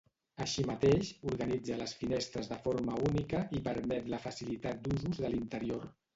Així mateix, organitza les finestres de forma única i permet la facilitat d'usos de l'interior.